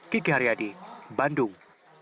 kiki haryadi bandung